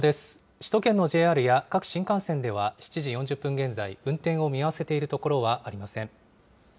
首都圏のＪＲや各新幹線では、７時４０分現在、運転を見合わせている所はありません。